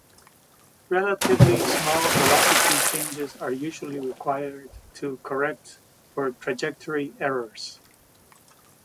Relatively small velocity changes are usually required to correct for trajectory errors.